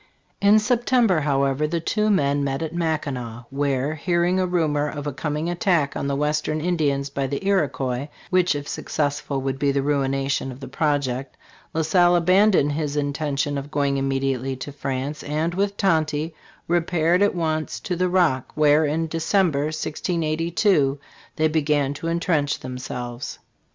In September, however, the two men met at Mackinac, where, hearing a rumor of a coming attack on the western Indi ans by the Iroquois (which if successful would be the ruination of his pro ject), La Salle abandoned his intention of going immediately to France, and with Tonty, repaired at once to the Rock, where, in December, 1682, theyi began to entrench themselves.